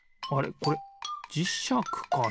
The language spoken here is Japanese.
これじしゃくかな？